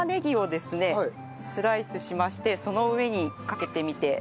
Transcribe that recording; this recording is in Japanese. スライスしましてその上にかけてみて。